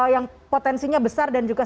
yang potensinya besar dan juga